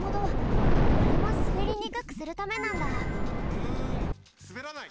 うんすべらない。